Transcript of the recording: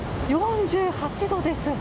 ４８度です。